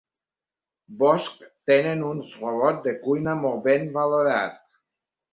Bosch tenen un robot de cuina molt ben valorat.